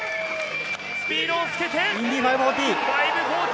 スピードをつけて、５４０。